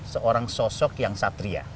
seorang sosok yang satria